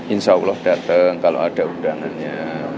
insya allah datang kalau ada undangannya